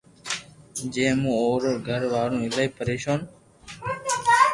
جي مون اورو گر وارو ايلائي پريݾون